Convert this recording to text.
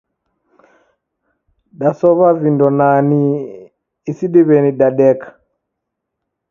Dasow'a vindo na ni isidiweni dadeka